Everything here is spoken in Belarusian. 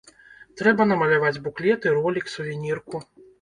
Трэба намаляваць буклеты, ролік, сувенірку.